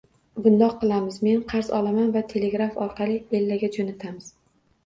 Bundoq qilamiz, men qarz olaman va telegraf orqali Ellaga jo`natamiz